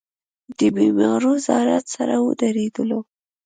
د بېمارو زيارت سره ودرېدلو.